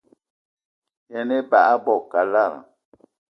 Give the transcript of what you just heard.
Yen ebag i bo kalada